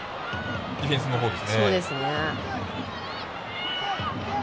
ディフェンスのほうですね。